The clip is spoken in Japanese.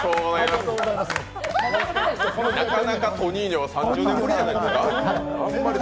なかなかトニーニョが３０年ぶりくらいじゃないですか？